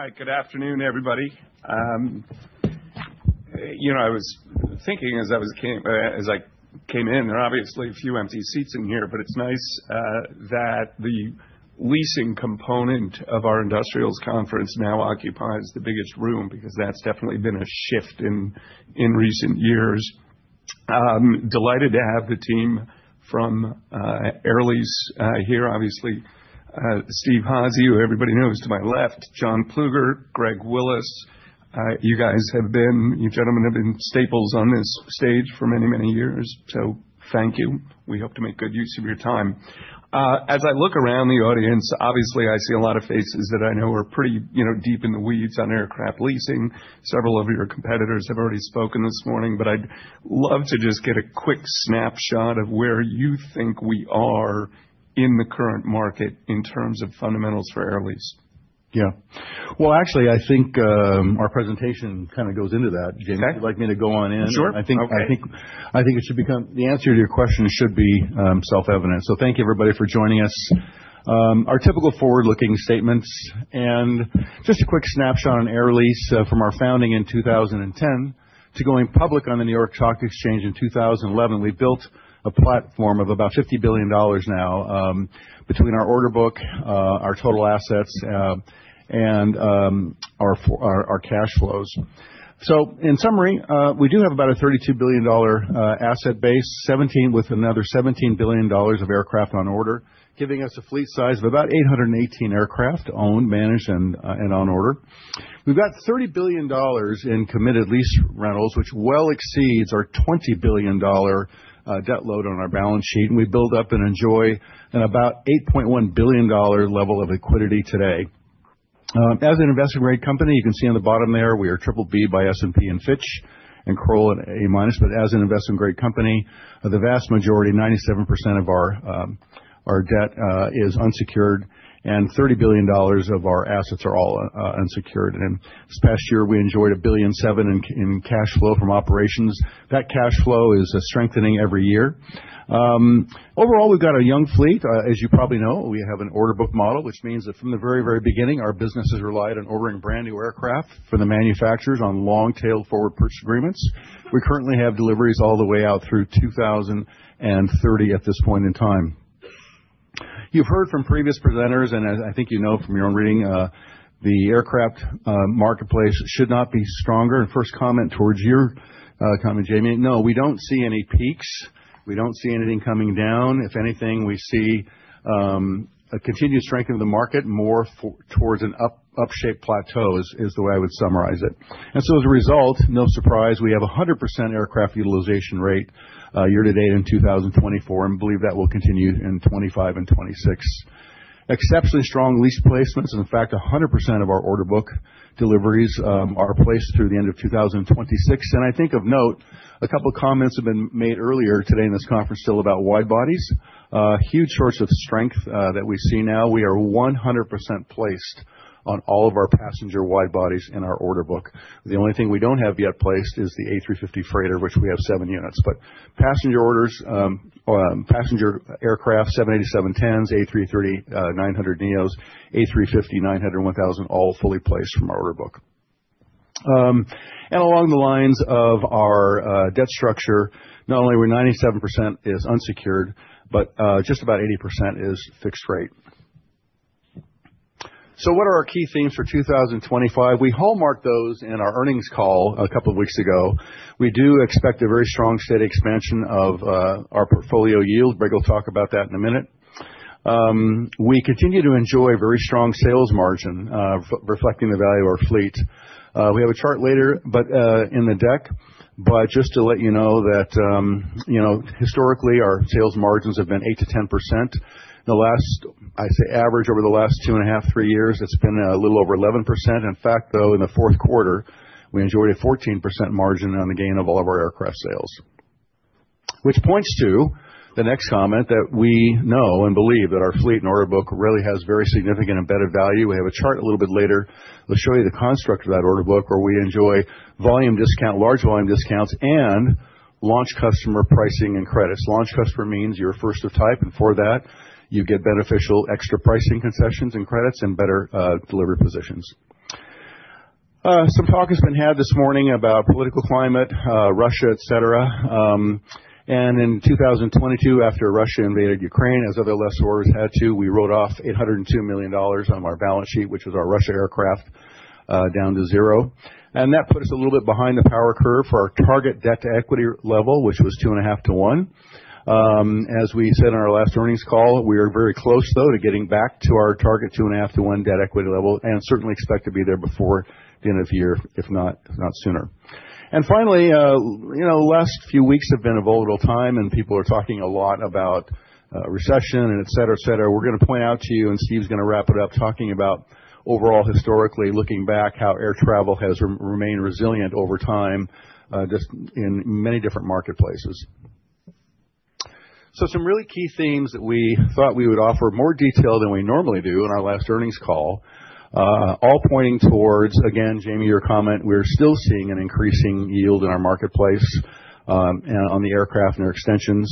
Hi, good afternoon, everybody. You know, I was thinking as I was—as I came in, there are obviously a few empty seats in here, but it's nice that the leasing component of our Industrials Conference now occupies the biggest room because that's definitely been a shift in recent years. Delighted to have the team from Air Lease here. Obviously, Steve Hazy, who everybody knows to my left, John Plueger, Greg Willis. You guys have been—you gentlemen have been staples on this stage for many, many years, so thank you. We hope to make good use of your time. As I look around the audience, obviously I see a lot of faces that I know are pretty, you know, deep in the weeds on aircraft leasing. Several of your competitors have already spoken this morning, but I'd love to just get a quick snapshot of where you think we are in the current market in terms of fundamentals for Air Lease. Yeah. Actually, I think our presentation kind of goes into that, James. Okay. Would you like me to go on in? Sure. I think it should become—the answer to your question should be, self-evident. Thank you, everybody, for joining us. Our typical forward-looking statements and just a quick snapshot on Air Lease, from our founding in 2010 to going public on the New York Stock Exchange in 2011. We've built a platform of about $50 billion now, between our order book, our total assets, and our cash flows. In summary, we do have about a $32 billion asset base, with another $17 billion of aircraft on order, giving us a fleet size of about 818 aircraft owned, managed, and on order. We've got $30 billion in committed lease rentals, which well exceeds our $20 billion debt load on our balance sheet. We build up and enjoy an about $8.1 billion level of liquidity today. As an investment-grade company, you can see on the bottom there we are triple B by S&P and Fitch and Kroll and A-. As an investment-grade company, the vast majority, 97% of our debt, is unsecured, and $30 billion of our assets are all unsecured. This past year, we enjoyed $1.7 billion in cash flow from operations. That cash flow is strengthening every year. Overall, we've got a young fleet. As you probably know, we have an order book model, which means that from the very, very beginning, our business has relied on ordering brand new aircraft from the manufacturers on long-tail forward purchase agreements. We currently have deliveries all the way out through 2030 at this point in time. You've heard from previous presenters, and as I think you know from your own reading, the aircraft marketplace should not be stronger. First comment towards your comment, Jamie, no, we do not see any peaks. We do not see anything coming down. If anything, we see a continued strength of the market, more towards an up-upshape plateau is the way I would summarize it. As a result, no surprise, we have a 100% aircraft utilization rate year to date in 2024, and believe that will continue in 2025 and 2026. Exceptionally strong lease placements. In fact, 100% of our order book deliveries are placed through the end of 2026. I think of note, a couple of comments have been made earlier today in this conference still about widebodies. Huge source of strength that we see now. We are 100% placed on all of our passenger widebodies in our order book. The only thing we do not have yet placed is the A350 freighter, which we have seven units. Passenger orders, passenger aircraft, 787-10s, A330-900neos, A350-900, and 1000, all fully placed from our order book. Along the lines of our debt structure, not only are we 97% unsecured, but just about 80% is fixed rate. What are our key themes for 2025? We hallmarked those in our earnings call a couple of weeks ago. We do expect a very strong steady expansion of our portfolio yield. Greg will talk about that in a minute. We continue to enjoy a very strong sales margin, reflecting the value of our fleet. We have a chart later in the deck, but just to let you know that, you know, historically, our sales margins have been 8-10%. The last, I'd say, average over the last two and a half, three years, it has been a little over 11%. In fact, though, in the fourth quarter, we enjoyed a 14% margin on the gain of all of our aircraft sales, which points to the next comment that we know and believe that our fleet and order book really has very significant embedded value. We have a chart a little bit later. We'll show you the construct of that order book where we enjoy volume discount, large volume discounts, and launch customer pricing and credits. Launch customer means you're first of type, and for that, you get beneficial extra pricing concessions and credits and better, delivery positions. Some talk has been had this morning about political climate, Russia, et cetera. In 2022, after Russia invaded Ukraine, as other lessors had to, we wrote off $802 million on our balance sheet, which was our Russia aircraft, down to zero. That put us a little bit behind the power curve for our target debt to equity level, which was two and a half to one. As we said in our last earnings call, we are very close, though, to getting back to our target two and a half to one debt to equity level and certainly expect to be there before the end of the year, if not sooner. Finally, you know, the last few weeks have been a volatile time, and people are talking a lot about recession and et cetera, et cetera. We're going to point out to you, and Steve's going to wrap it up, talking about overall, historically, looking back, how air travel has remained resilient over time, just in many different marketplaces. Some really key themes that we thought we would offer more detail than we normally do in our last earnings call, all pointing towards, again, Jamie, your comment, we're still seeing an increasing yield in our marketplace, and on the aircraft and air extensions.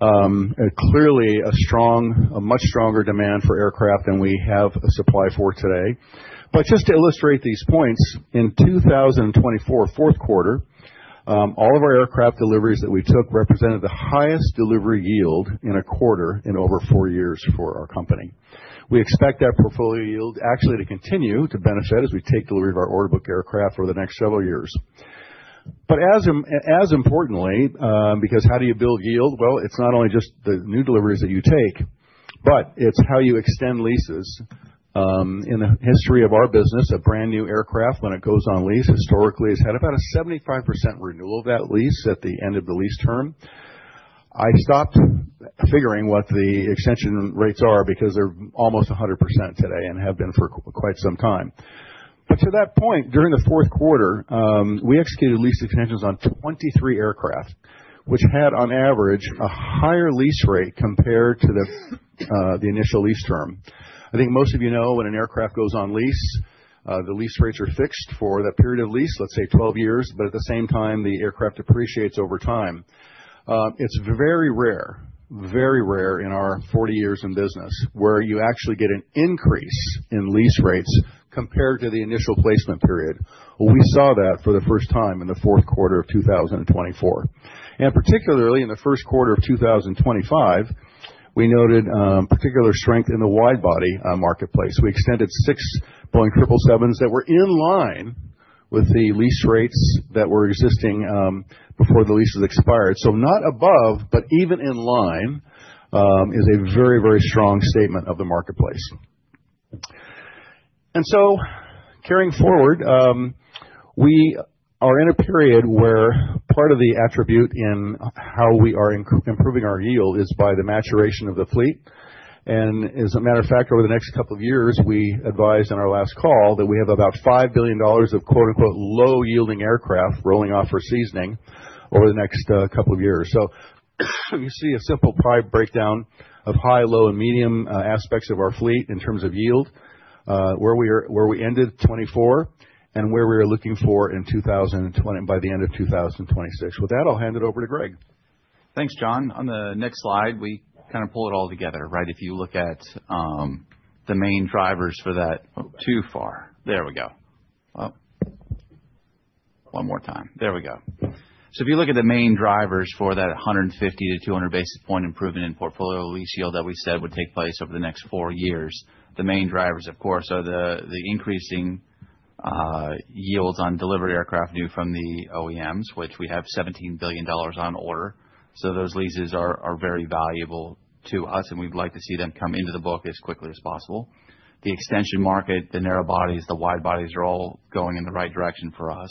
Clearly, a strong, a much stronger demand for aircraft than we have a supply for today. Just to illustrate these points, in 2024, fourth quarter, all of our aircraft deliveries that we took represented the highest delivery yield in a quarter in over four years for our company. We expect that portfolio yield actually to continue to benefit as we take delivery of our order book aircraft over the next several years. As importantly, because how do you build yield? It's not only just the new deliveries that you take, but it's how you extend leases. In the history of our business, a brand new aircraft, when it goes on lease, historically, has had about a 75% renewal of that lease at the end of the lease term. I stopped figuring what the extension rates are because they're almost 100% today and have been for quite some time. To that point, during the fourth quarter, we executed lease extensions on 23 aircraft, which had, on average, a higher lease rate compared to the initial lease term. I think most of you know when an aircraft goes on lease, the lease rates are fixed for that period of lease, let's say 12 years, but at the same time, the aircraft appreciates over time. It's very rare, very rare in our 40 years in business where you actually get an increase in lease rates compared to the initial placement period. We saw that for the first time in the fourth quarter of 2024. Particularly in the first quarter of 2025, we noted particular strength in the widebody marketplace. We extended six Boeing triple 7s that were in line with the lease rates that were existing before the leases expired. Not above, but even in line, is a very, very strong statement of the marketplace. Carrying forward, we are in a period where part of the attribute in how we are improving our yield is by the maturation of the fleet. As a matter of fact, over the next couple of years, we advised in our last call that we have about $5 billion of quote-unquote low-yielding aircraft rolling off for seasoning over the next couple of years. You see a simple prior breakdown of high, low, and medium aspects of our fleet in terms of yield, where we are, where we ended 2024 and where we are looking for in 2020 and by the end of 2026. With that, I'll hand it over to Greg. Thanks, John. On the next slide, we kind of pull it all together, right? If you look at the main drivers for that. Too far. There we go. One more time. There we go. If you look at the main drivers for that 150-200 basis point improvement in portfolio lease yield that we said would take place over the next four years, the main drivers, of course, are the increasing yields on delivery aircraft due from the OEMs, which we have $17 billion on order. Those leases are very valuable to us, and we'd like to see them come into the book as quickly as possible. The extension market, the narrowbodies, the wide bodies are all going in the right direction for us,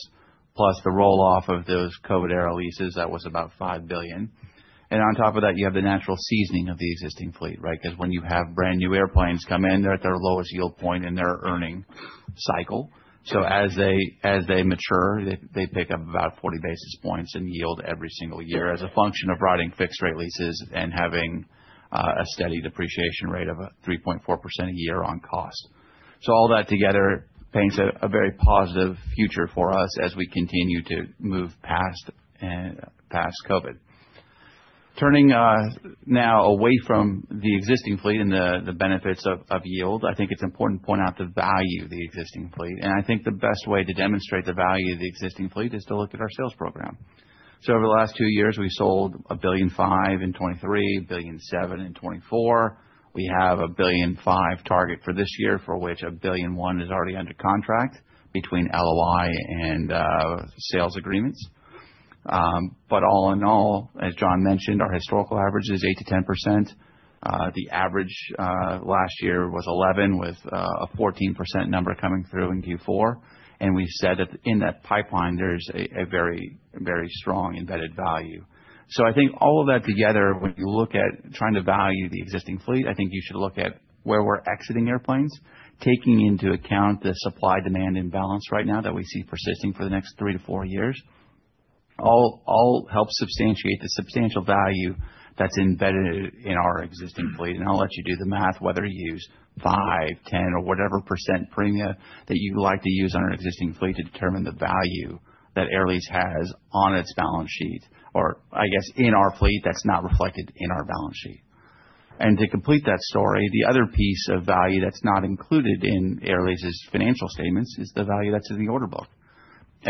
plus the roll-off of those COVID-era leases that was about $5 billion. On top of that, you have the natural seasoning of the existing fleet, right? Because when you have brand new airplanes come in at their lowest yield point in their earning cycle, as they mature, they pick up about 40 basis points in yield every single year as a function of riding fixed-rate leases and having a steady depreciation rate of 3.4% a year on cost. All that together paints a very positive future for us as we continue to move past COVID. Turning now away from the existing fleet and the benefits of yield, I think it's important to point out the value of the existing fleet. I think the best way to demonstrate the value of the existing fleet is to look at our sales program. Over the last two years, we sold $1.5 billion in 2023, $1.7 billion in 2024. We have a $1.5 billion target for this year, for which $1.1 billion is already under contract between LOI and sales agreements. All in all, as John mentioned, our historical average is 8-10%. The average last year was 11% with a 14% number coming through in Q4. We have said that in that pipeline, there is a very, very strong embedded value. I think all of that together, when you look at trying to value the existing fleet, I think you should look at where we are exiting airplanes, taking into account the supply-demand imbalance right now that we see persisting for the next three to four years. All help substantiate the substantial value that is embedded in our existing fleet. I'll let you do the math, whether you use 5%, 10%, or whatever % premium that you like to use on our existing fleet to determine the value that Air Lease has on its balance sheet, or I guess in our fleet that's not reflected in our balance sheet. To complete that story, the other piece of value that's not included in Air Lease's financial statements is the value that's in the order book.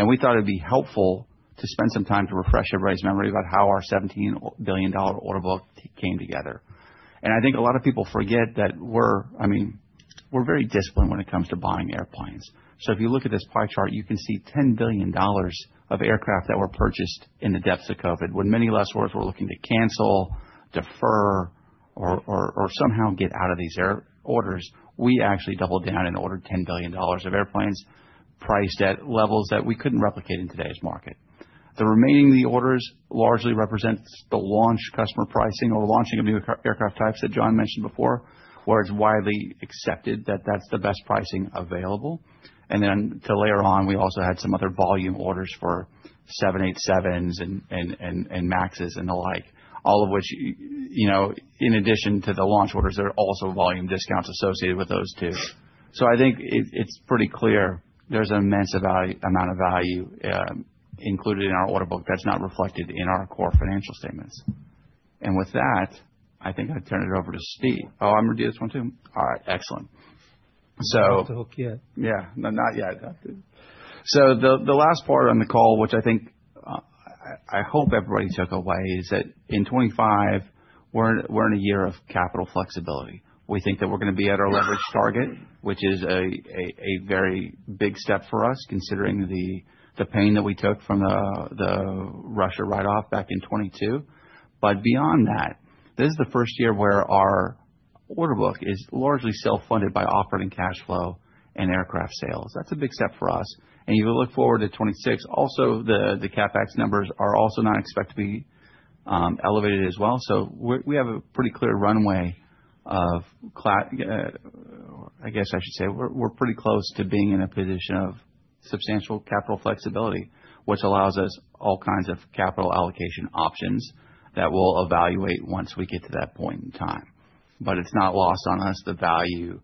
We thought it'd be helpful to spend some time to refresh everybody's memory about how our $17 billion order book came together. I think a lot of people forget that we're, I mean, we're very disciplined when it comes to buying airplanes. If you look at this pie chart, you can see $10 billion of aircraft that were purchased in the depths of COVID. When many lesser orders were looking to cancel, defer, or somehow get out of these air orders, we actually doubled down and ordered $10 billion of airplanes priced at levels that we couldn't replicate in today's market. The remaining of the orders largely represent the launch customer pricing or launching of new aircraft types that John mentioned before, where it's widely accepted that that's the best pricing available. To layer on, we also had some other volume orders for 787s and MAXes and the like, all of which, you know, in addition to the launch orders, there are also volume discounts associated with those too. I think it's pretty clear there's an immense amount of value included in our order book that's not reflected in our core financial statements. With that, I think I'd turn it over to Steve. Oh, I'm going to do this one too. All right. Excellent. Not to hook yet. Yeah, not yet. The last part on the call, which I think, I hope everybody took away, is that in 2025, we're in a year of capital flexibility. We think that we're going to be at our leverage target, which is a very big step for us, considering the pain that we took from the Russia write-off back in 2022. Beyond that, this is the first year where our order book is largely self-funded by operating cash flow and aircraft sales. That's a big step for us. You look forward to 2026. Also, the CapEx numbers are also not expected to be elevated as well. We have a pretty clear runway of, I guess I should say we're pretty close to being in a position of substantial capital flexibility, which allows us all kinds of capital allocation options that we'll evaluate once we get to that point in time. It is not lost on us the value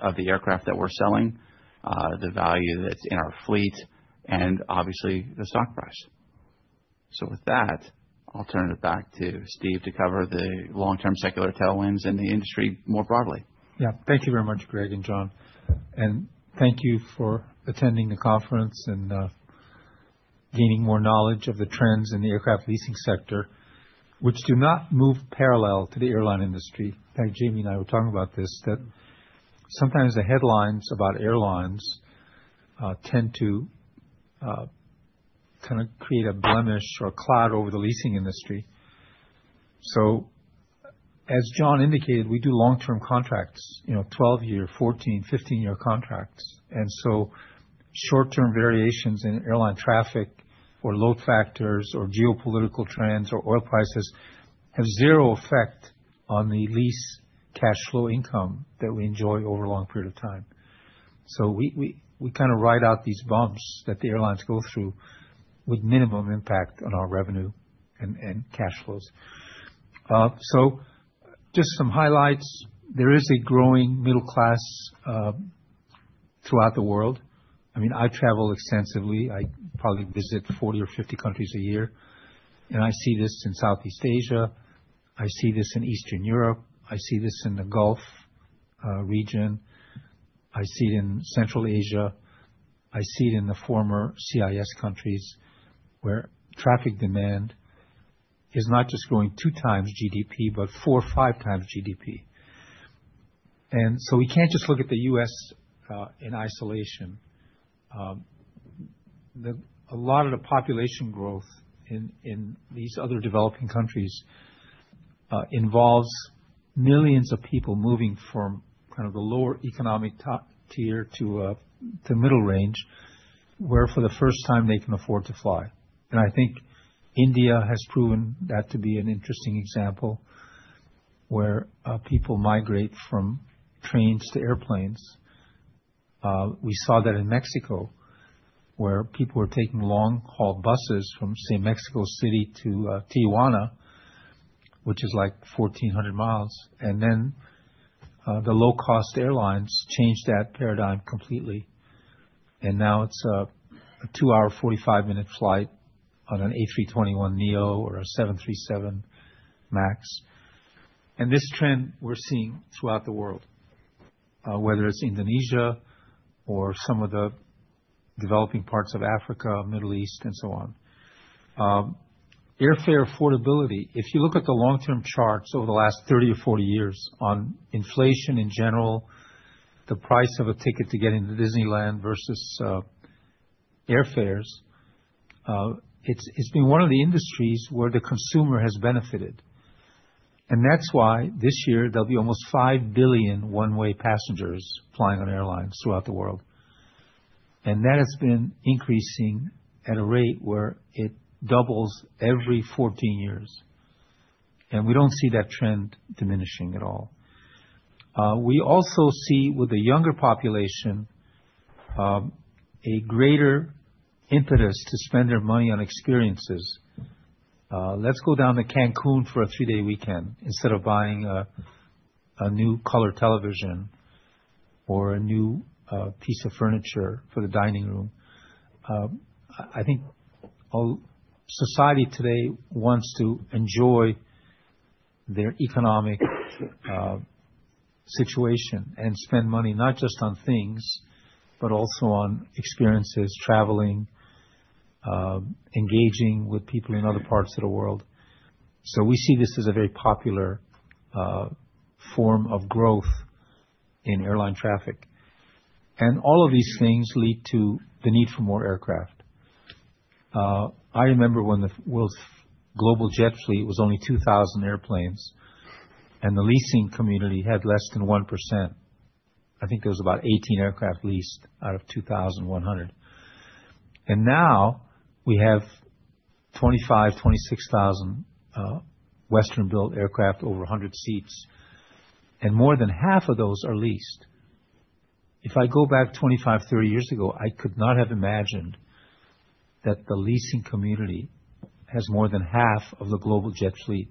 of the aircraft that we're selling, the value that's in our fleet, and obviously the stock price. With that, I'll turn it back to Steve to cover the long-term secular tailwinds in the industry more broadly. Yeah, thank you very much, Greg and John. Thank you for attending the conference and gaining more knowledge of the trends in the aircraft leasing sector, which do not move parallel to the airline industry. In fact, Jamie and I were talking about this, that sometimes the headlines about airlines tend to kind of create a blemish or a cloud over the leasing industry. As John indicated, we do long-term contracts, you know, 12-year, 14, 15-year contracts. Short-term variations in airline traffic or load factors or geopolitical trends or oil prices have zero effect on the lease cash flow income that we enjoy over a long period of time. We kind of ride out these bumps that the airlines go through with minimum impact on our revenue and cash flows. Just some highlights. There is a growing middle class throughout the world. I mean, I travel extensively. I probably visit 40 or 50 countries a year. I see this in Southeast Asia. I see this in Eastern Europe. I see this in the Gulf region. I see it in Central Asia. I see it in the former CIS countries where traffic demand is not just growing two times GDP, but four, five times GDP. We cannot just look at the U.S. in isolation. A lot of the population growth in these other developing countries involves millions of people moving from kind of the lower economic tier to middle range, where for the first time they can afford to fly. I think India has proven that to be an interesting example where people migrate from trains to airplanes. We saw that in Mexico, where people were taking long-haul buses from, say, Mexico City to Tijuana, which is like 1,400 miles. The low-cost airlines changed that paradigm completely. Now it's a two-hour, 45-minute flight on an A321neo or a 737 MAX. This trend we're seeing throughout the world, whether it's Indonesia or some of the developing parts of Africa, Middle East, and so on. Airfare affordability, if you look at the long-term charts over the last 30 or 40 years on inflation in general, the price of a ticket to get into Disneyland versus airfares, it's been one of the industries where the consumer has benefited. That's why this year there will be almost 5 billion one-way passengers flying on airlines throughout the world. That has been increasing at a rate where it doubles every 14 years. We don't see that trend diminishing at all. We also see with the younger population, a greater impetus to spend their money on experiences. Let's go down to Cancun for a three-day weekend instead of buying a new color television or a new piece of furniture for the dining room. I think society today wants to enjoy their economic situation and spend money not just on things, but also on experiences, traveling, engaging with people in other parts of the world. We see this as a very popular form of growth in airline traffic. All of these things lead to the need for more aircraft. I remember when the world's global jet fleet was only 2,000 airplanes and the leasing community had less than 1%. I think there were about 18 aircraft leased out of 2,100. Now we have 25,000, 26,000 Western-built aircraft over 100 seats, and more than half of those are leased. If I go back 25, 30 years ago, I could not have imagined that the leasing community has more than half of the global jet fleet.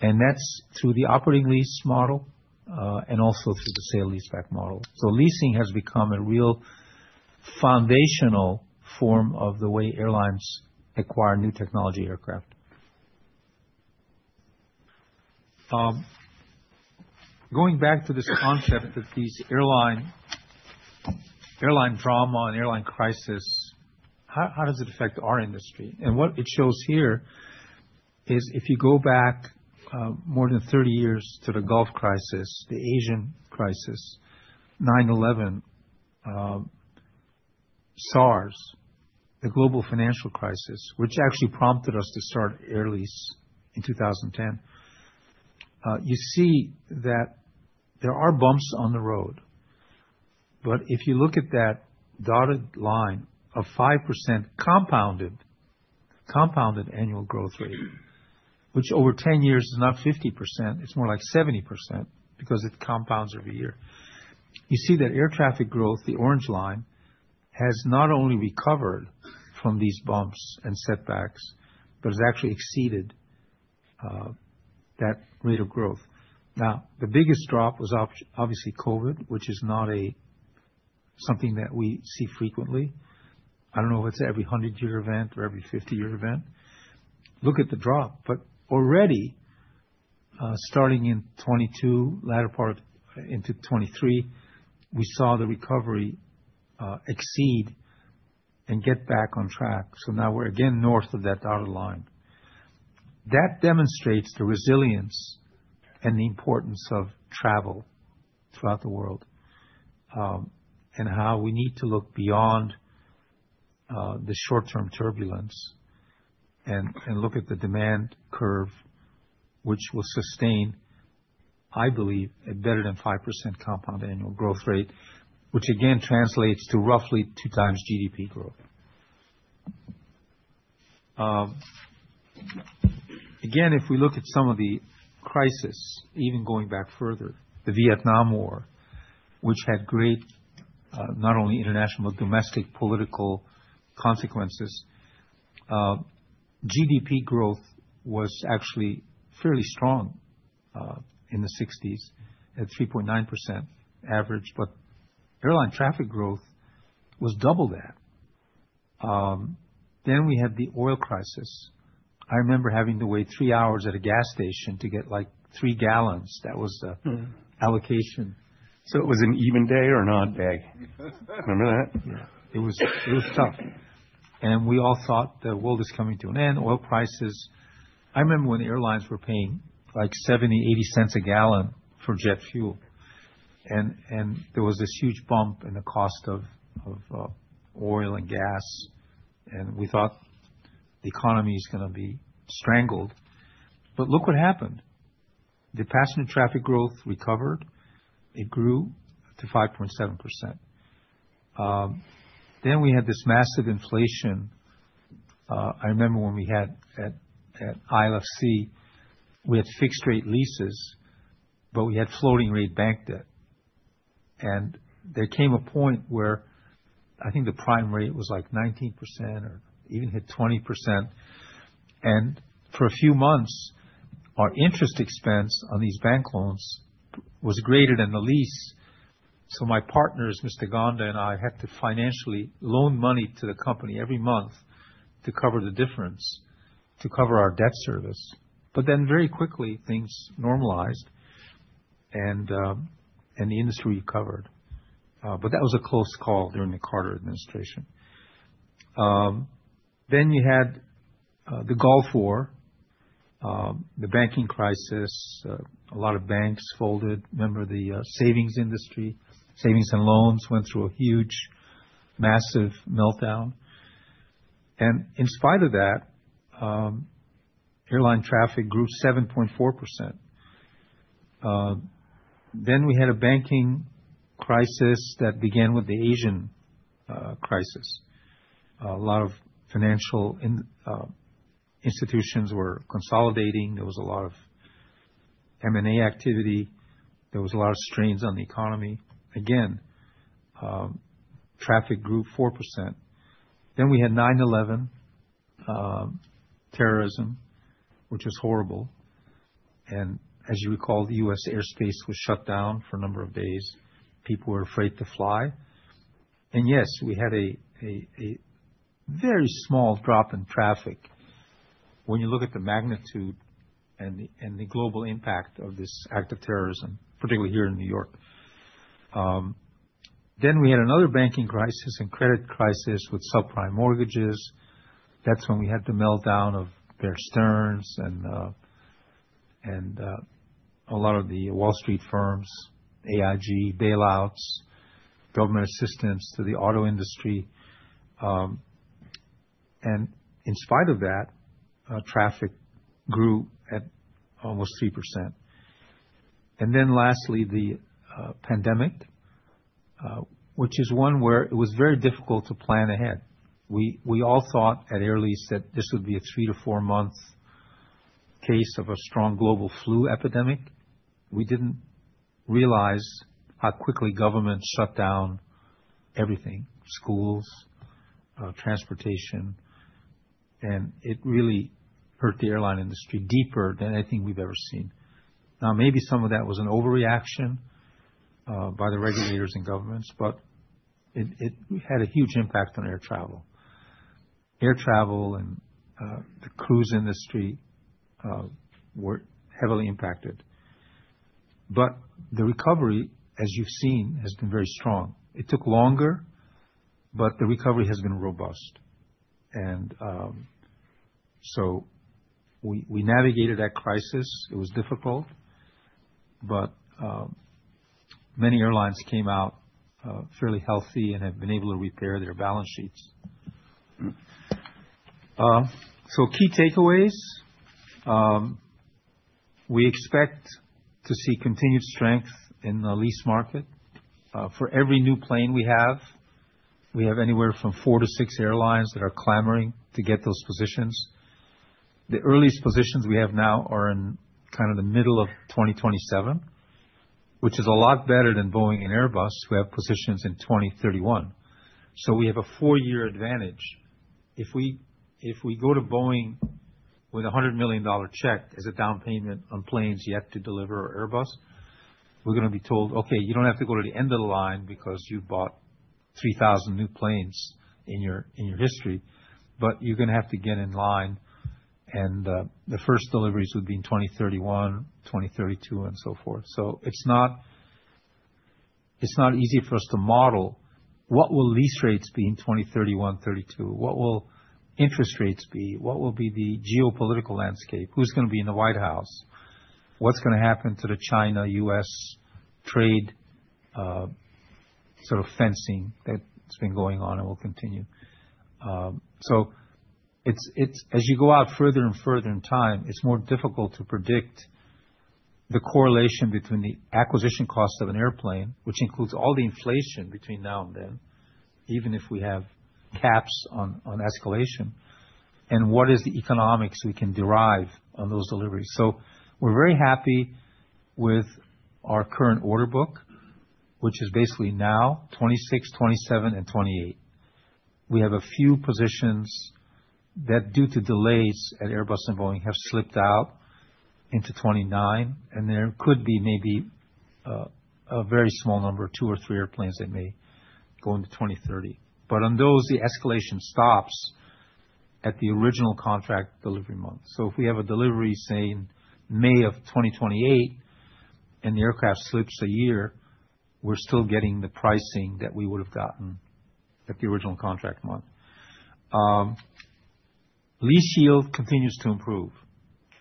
That is through the operating lease model, and also through the sale-leaseback model. Leasing has become a real foundational form of the way airlines acquire new technology aircraft. Going back to this concept of these airline, airline drama and airline crisis, how does it affect our industry? What it shows here is if you go back more than 30 years to the Gulf crisis, the Asian crisis, 9/11, SARS, the global financial crisis, which actually prompted us to start Air Lease in 2010, you see that there are bumps on the road. If you look at that dotted line of 5% compounded, compounded annual growth rate, which over 10 years is not 50%, it's more like 70% because it compounds every year. You see that air traffic growth, the orange line, has not only recovered from these bumps and setbacks, but has actually exceeded that rate of growth. Now, the biggest drop was obviously COVID, which is not something that we see frequently. I don't know if it's every 100-year event or every 50-year event. Look at the drop, but already, starting in 2022, latter part of into 2023, we saw the recovery, exceed and get back on track. Now we're again north of that dotted line. That demonstrates the resilience and the importance of travel throughout the world, and how we need to look beyond the short-term turbulence and look at the demand curve, which will sustain, I believe, a better than 5% compound annual growth rate, which again translates to roughly two times GDP growth. Again, if we look at some of the crisis, even going back further, the Vietnam War, which had great, not only international but domestic political consequences, GDP growth was actually fairly strong in the 1960s at 3.9% average, but airline traffic growth was double that. Then we had the oil crisis. I remember having to wait three hours at a gas station to get like three gallons. That was the allocation. It was an even day or a non-day? Remember that? Yeah. It was, it was tough. We all thought the world is coming to an end. Oil prices, I remember when airlines were paying like $0.70, $0.80 a gallon for jet fuel. There was this huge bump in the cost of oil and gas. We thought the economy is going to be strangled. Look what happened. The passenger traffic growth recovered. It grew to 5.7%. We had this massive inflation. I remember when we had at ILFC, we had fixed-rate leases, but we had floating-rate bank debt. There came a point where I think the prime rate was like 19% or even hit 20%. For a few months, our interest expense on these bank loans was greater than the lease. My partners, Mr. Gonda and I had to financially loan money to the company every month to cover the difference, to cover our debt service. Very quickly, things normalized and the industry recovered. That was a close call during the Carter administration. You had the Gulf War, the banking crisis, a lot of banks folded. Remember the savings industry, savings and loans went through a huge, massive meltdown. In spite of that, airline traffic grew 7.4%. You had a banking crisis that began with the Asian crisis. A lot of financial institutions were consolidating. There was a lot of M&A activity. There were a lot of strains on the economy. Again, traffic grew 4%. You had 9/11, terrorism, which was horrible. As you recall, the U.S. airspace was shut down for a number of days. People were afraid to fly. Yes, we had a very small drop in traffic when you look at the magnitude and the global impact of this act of terrorism, particularly here in New York. We had another banking crisis and credit crisis with subprime mortgages. That is when we had the meltdown of Bear Stearns and a lot of the Wall Street firms, AIG bailouts, government assistance to the auto industry. In spite of that, traffic grew at almost 3%. Lastly, the pandemic, which is one where it was very difficult to plan ahead. We all thought at Air Lease that this would be a three to four-month case of a strong global flu epidemic. We did not realize how quickly government shut down everything, schools, transportation, and it really hurt the airline industry deeper than anything we have ever seen. Now, maybe some of that was an overreaction, by the regulators and governments, but it had a huge impact on air travel. Air travel and the cruise industry were heavily impacted. The recovery, as you've seen, has been very strong. It took longer, but the recovery has been robust. We navigated that crisis. It was difficult, but many airlines came out fairly healthy and have been able to repair their balance sheets. Key takeaways, we expect to see continued strength in the lease market. For every new plane we have, we have anywhere from four to six airlines that are clamoring to get those positions. The earliest positions we have now are in kind of the middle of 2027, which is a lot better than Boeing and Airbus, who have positions in 2031. We have a four-year advantage. If we go to Boeing with a $100 million check as a down payment on planes yet to deliver or Airbus, we're going to be told, "Okay, you don't have to go to the end of the line because you bought 3,000 new planes in your history, but you're going to have to get in line." The first deliveries would be in 2031, 2032, and so forth. It's not easy for us to model what will lease rates be in 2031, 2032, what will interest rates be, what will be the geopolitical landscape, who's going to be in the White House, what's going to happen to the China-US trade, sort of fencing that's been going on and will continue. It's, as you go out further and further in time, it's more difficult to predict the correlation between the acquisition cost of an airplane, which includes all the inflation between now and then, even if we have caps on escalation, and what is the economics we can derive on those deliveries. We're very happy with our current order book, which is basically now 2026, 2027, and 2028. We have a few positions that, due to delays at Airbus and Boeing, have slipped out into 2029, and there could be maybe a very small number, two or three airplanes that may go into 2030. On those, the escalation stops at the original contract delivery month. If we have a delivery saying May of 2028 and the aircraft slips a year, we're still getting the pricing that we would have gotten at the original contract month. Lease yield continues to improve.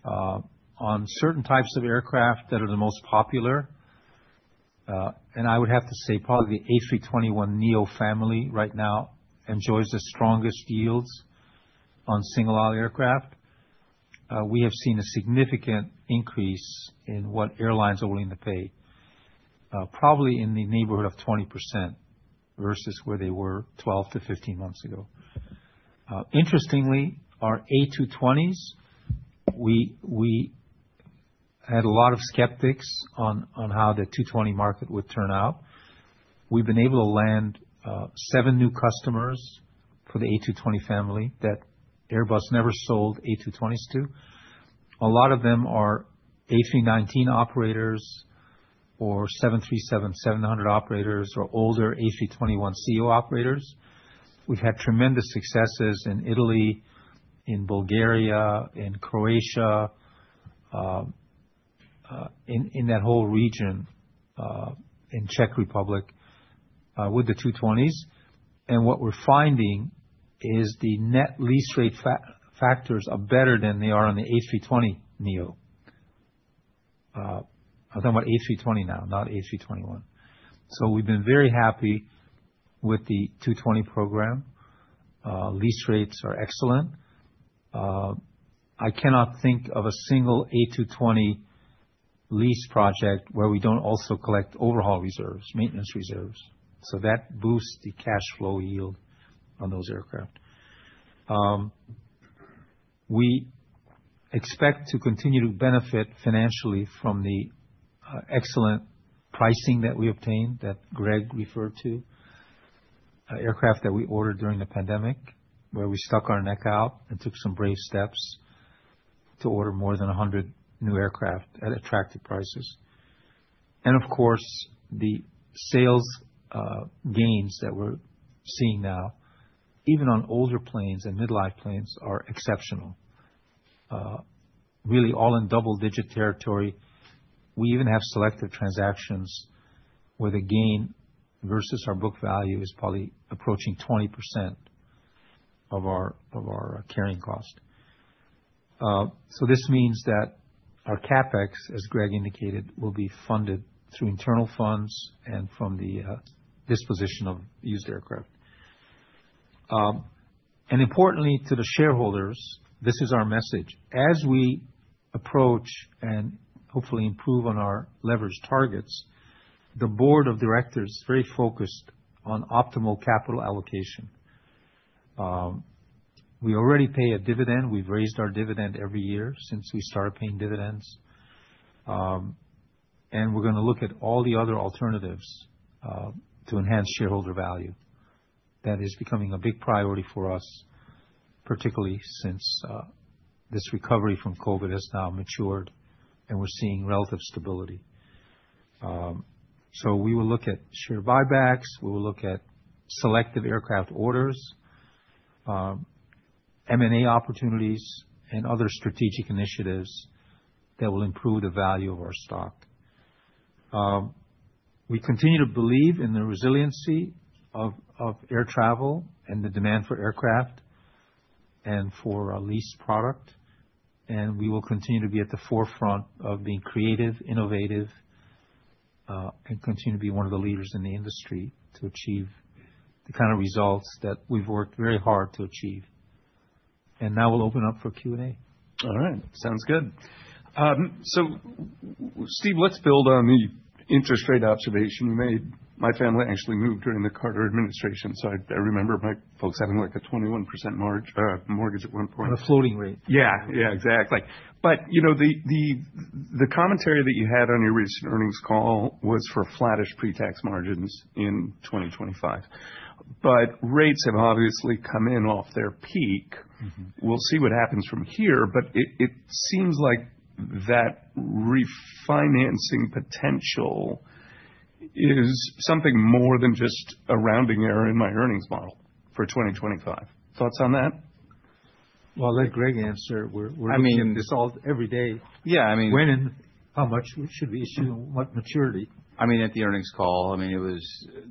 On certain types of aircraft that are the most popular, and I would have to say probably the A321neo family right now enjoys the strongest yields on single-aisle aircraft. We have seen a significant increase in what airlines are willing to pay, probably in the neighborhood of 20% versus where they were 12 to 15 months ago. Interestingly, our A220s, we had a lot of skeptics on how the A220 market would turn out. We've been able to land seven new customers for the A220 family that Airbus never sold A220s to. A lot of them are A319 operators or 737-700 operators or older A321ceo operators. We've had tremendous successes in Italy, in Bulgaria, in Croatia, in that whole region, in Czech Republic, with the A220s. What we're finding is the net lease rate factors are better than they are on the A320neo, or about A320 now, not A321. We've been very happy with the A220 program. Lease rates are excellent. I cannot think of a single A220 lease project where we do not also collect overhaul reserves, maintenance reserves. That boosts the cash flow yield on those aircraft. We expect to continue to benefit financially from the excellent pricing that we obtained that Greg referred to, aircraft that we ordered during the pandemic where we stuck our neck out and took some brave steps to order more than 100 new aircraft at attractive prices. Of course, the sales gains that we're seeing now, even on older planes and mid-life planes, are exceptional, really all in double-digit territory. We even have selective transactions where the gain versus our book value is probably approaching 20% of our, of our, carrying cost. This means that our CapEx, as Greg indicated, will be funded through internal funds and from the disposition of used aircraft. Importantly to the shareholders, this is our message. As we approach and hopefully improve on our leverage targets, the board of directors is very focused on optimal capital allocation. We already pay a dividend. We've raised our dividend every year since we started paying dividends. We're going to look at all the other alternatives to enhance shareholder value. That is becoming a big priority for us, particularly since this recovery from COVID has now matured and we're seeing relative stability. We will look at share buybacks. We will look at selective aircraft orders, M&A opportunities, and other strategic initiatives that will improve the value of our stock. We continue to believe in the resiliency of, of air travel and the demand for aircraft and for our lease product. We will continue to be at the forefront of being creative, innovative, and continue to be one of the leaders in the industry to achieve the kind of results that we've worked very hard to achieve. Now we'll open up for Q&A. All right. Sounds good. Steve, let's build on the interest rate observation you made. My family actually moved during the Carter administration, so I remember my folks having like a 21% mortgage at one point. On a floating rate. Yeah. Yeah, exactly. But, you know, the commentary that you had on your recent earnings call was for flattish pre-tax margins in 2025. But rates have obviously come in off their peak. We'll see what happens from here, but it seems like that refinancing potential is something more than just a rounding error in my earnings model for 2025. Thoughts on that? Let Greg answer. We're looking at this all every day. Yeah, I mean. When and how much should we issue and what maturity? I mean, at the earnings call, I mean, it was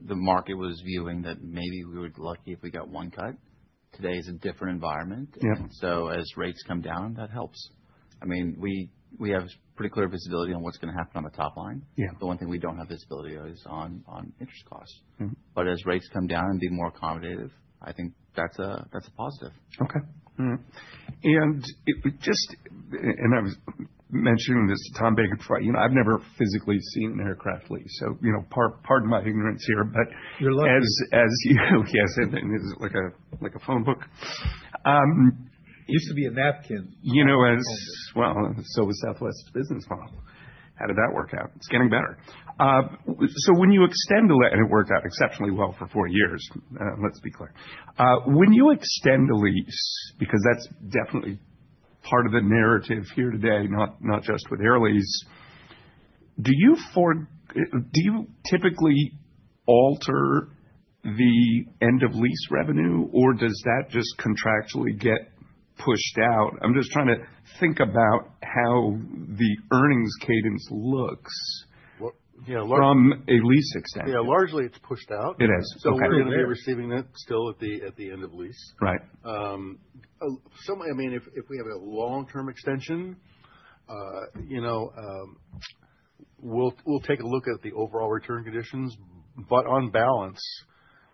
the market was viewing that maybe we were lucky if we got one cut. Today is a different environment. Yep. As rates come down, that helps. I mean, we have pretty clear visibility on what's going to happen on the top line. Yeah. The one thing we don't have visibility is on, on interest costs. Mm-hmm. As rates come down and be more accommodative, I think that's a, that's a positive. Okay. All right. And just, and I was mentioning this to Tom Baker prior, you know, I've never physically seen an aircraft lease, so, you know, pardon my ignorance here, but. You're lucky. As you, yes, it is like a, like a phone book. It used to be a napkin. You know, as, well, so was Southwest's business model. How did that work out? It's getting better. So when you extend a lease, and it worked out exceptionally well for four years, let's be clear. When you extend a lease, because that's definitely part of the narrative here today, not, not just with Air Lease, do you for, do you typically alter the end-of-lease revenue, or does that just contractually get pushed out? I'm just trying to think about how the earnings cadence looks. Yeah, largely. From a lease extension. Yeah, largely it's pushed out. It is. Okay. We're going to be receiving that still at the end of lease. Right. Some, I mean, if, if we have a long-term extension, you know, we'll, we'll take a look at the overall return conditions, but on balance,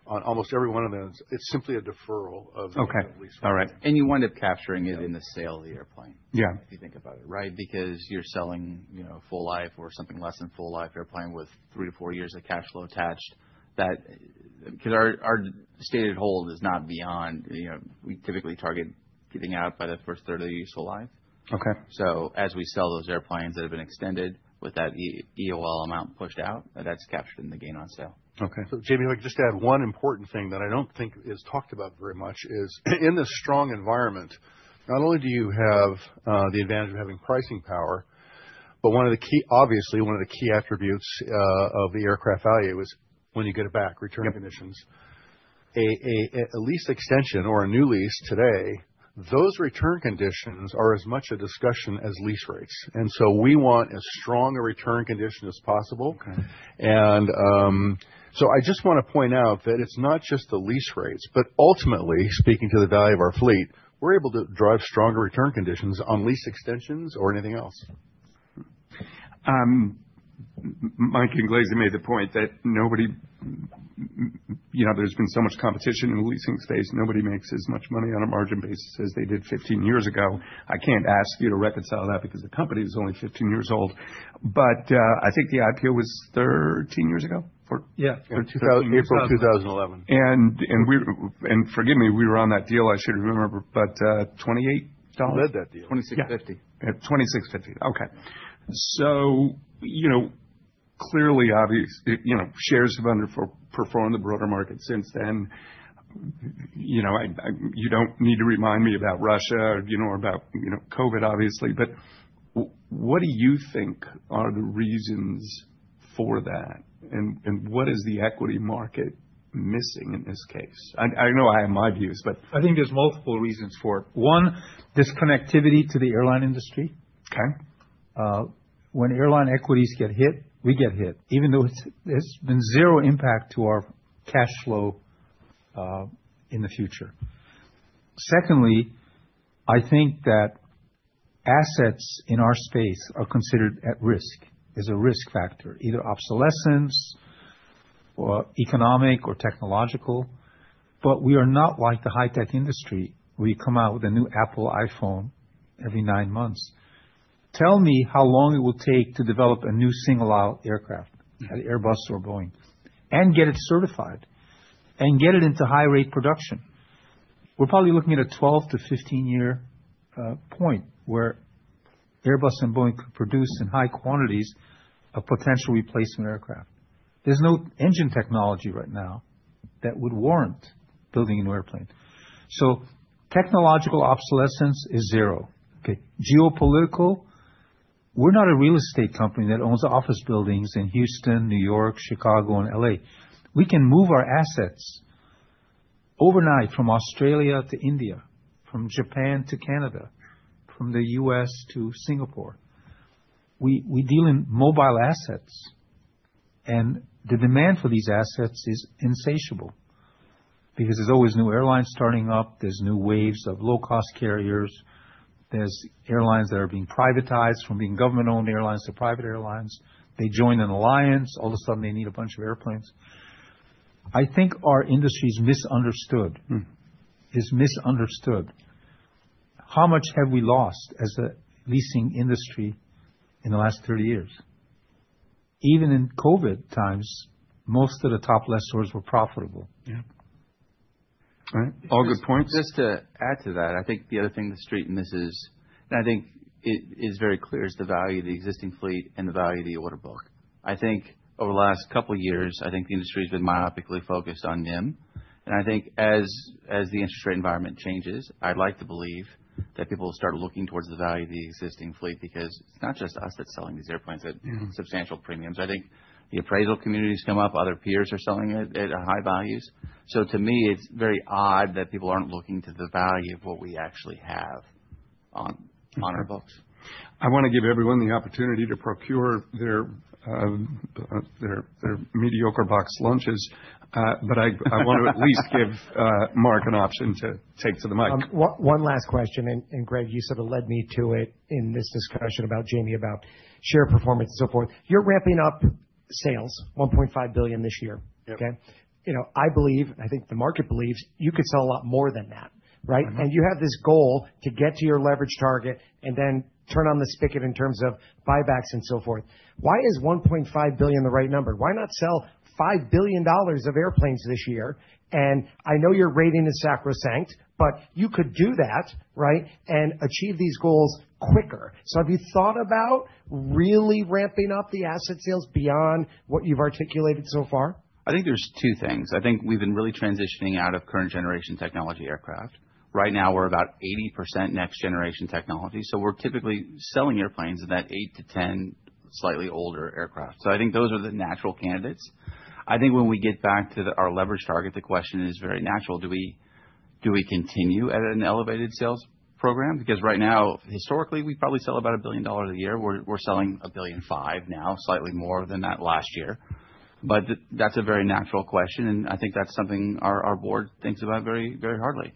on almost every one of those, it's simply a deferral of the end-of-lease revenue. Okay. All right. You wind up capturing it in the sale of the airplane. Yeah. If you think about it, right? Because you're selling, you know, a full life or something less than full life airplane with three to four years of cash flow attached that, because our stated hold is not beyond, you know, we typically target getting out by the first third of the useful life. Okay. As we sell those airplanes that have been extended with that EOL amount pushed out, that's captured in the gain on sale. Okay. Jamie, if I could just add one important thing that I do not think is talked about very much is in this strong environment, not only do you have the advantage of having pricing power, but one of the key, obviously one of the key attributes of the aircraft value is when you get it back, return conditions. Yeah. A lease extension or a new lease today, those return conditions are as much a discussion as lease rates. And we want as strong a return condition as possible. Okay. I just want to point out that it's not just the lease rates, but ultimately, speaking to the value of our fleet, we're able to drive stronger return conditions on lease extensions or anything else. Mike Inglese made the point that nobody, you know, there's been so much competition in the leasing space, nobody makes as much money on a margin basis as they did 15 years ago. I can't ask you to reconcile that because the company is only 15 years old. I think the IPO was 13 years ago for. Yeah, in 2011. April 2011. We were on that deal, I should remember, but $28. We led that deal. 2650. Yeah. At 2650. Okay. You know, clearly, obviously, you know, shares have underperformed the broader market since then. You know, I, I, you do not need to remind me about Russia, you know, or about, you know, COVID, obviously. What do you think are the reasons for that? What is the equity market missing in this case? I, I know I have my views, but. I think there's multiple reasons for it. One, disconnectivity to the airline industry. Okay. When airline equities get hit, we get hit, even though it's been zero impact to our cash flow, in the future. Secondly, I think that assets in our space are considered at risk as a risk factor, either obsolescence or economic or technological. We are not like the high-tech industry where you come out with a new Apple iPhone every nine months. Tell me how long it will take to develop a new single-aisle aircraft at Airbus or Boeing and get it certified and get it into high-rate production. We're probably looking at a 12-15 year point where Airbus and Boeing could produce in high quantities a potential replacement aircraft. There's no engine technology right now that would warrant building a new airplane. Technological obsolescence is zero. Geopolitical, we're not a real estate company that owns office buildings in Houston, New York, Chicago, and LA. We can move our assets overnight from Australia to India, from Japan to Canada, from the US to Singapore. We deal in mobile assets, and the demand for these assets is insatiable because there's always new airlines starting up. There's new waves of low-cost carriers. There's airlines that are being privatized from being government-owned airlines to private airlines. They join an alliance. All of a sudden, they need a bunch of airplanes. I think our industry's misunderstood. How much have we lost as a leasing industry in the last 30 years? Even in COVID times, most of the top lessors were profitable. Yeah. All right. All good points. Just to add to that, I think the other thing the street misses, and I think it is very clear, is the value of the existing fleet and the value of the order book. I think over the last couple of years, the industry has been myopically focused on NIM. As the interest rate environment changes, I'd like to believe that people will start looking towards the value of the existing fleet because it's not just us that's selling these airplanes at substantial premiums. The appraisal community's come up. Other peers are selling it at high values. To me, it's very odd that people aren't looking to the value of what we actually have on our books. I want to give everyone the opportunity to procure their mediocre box lunches. I want to at least give Mark an option to take to the mic. One last question. Greg, you sort of led me to it in this discussion about Jamie, about share performance and so forth. You're ramping up sales, $1.5 billion this year. Yep. Okay? You know, I believe, and I think the market believes you could sell a lot more than that, right? Mm-hmm. You have this goal to get to your leverage target and then turn on the spigot in terms of buybacks and so forth. Why is $1.5 billion the right number? Why not sell $5 billion of airplanes this year? I know your rating is sacrosanct, but you could do that, right, and achieve these goals quicker. Have you thought about really ramping up the asset sales beyond what you've articulated so far? I think there's two things. I think we've been really transitioning out of current-generation technology aircraft. Right now, we're about 80% next-generation technology. We're typically selling airplanes in that 8-10 slightly older aircraft. I think those are the natural candidates. I think when we get back to our leverage target, the question is very natural. Do we, do we continue at an elevated sales program? Right now, historically, we probably sell about $1 billion a year. We're selling $1.5 billion now, slightly more than that last year. That's a very natural question. I think that's something our board thinks about very, very hardly.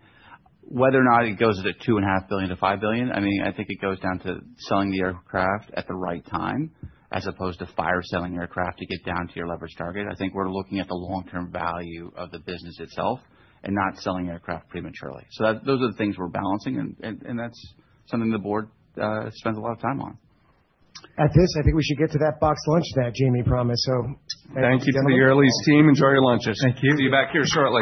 Whether or not it goes to $2.5 billion to $5 billion, I mean, I think it goes down to selling the aircraft at the right time as opposed to fire-selling aircraft to get down to your leverage target. I think we're looking at the long-term value of the business itself and not selling aircraft prematurely. That, those are the things we're balancing. And that's something the board spends a lot of time on. At this, I think we should get to that box lunch that Jamie promised. Thank you for the Air Lease team. Enjoy your lunches. Thank you. See you back here shortly.